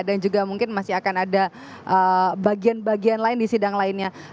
dan juga mungkin masih akan ada bagian bagian lain di sidang lainnya